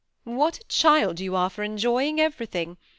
" What a child you are for enjoying everything.